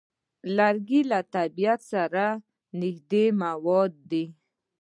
لرګی له طبیعت سره نږدې مواد دي.